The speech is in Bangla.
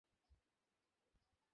দেখ এই সাত বছরে আমরা কী পেয়েছি!